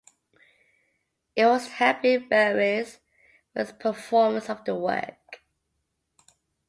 It was to have been Barere's first performance of the work.